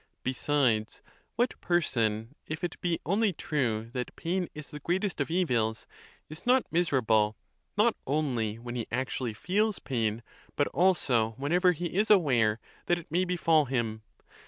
Be sides, what person, ifit be only true that pain is the great est of evils, is not miserable, not only when he actually feels pain, but also whenever he is aware that it may be fall him.